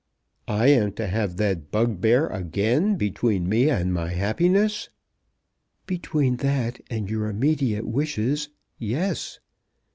"I am to have that bugbear again between me and my happiness?" "Between that and your immediate wishes; yes.